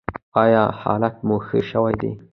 ایا حالت مو ښه شوی دی؟